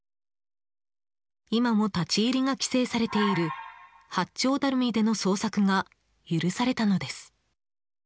今も立ち入りが規制されている八丁ダルミでの捜索が許されたのです。